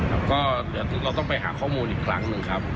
แล้วก็เดี๋ยวเราต้องไปหาข้อมูลอีกครั้งหนึ่งครับ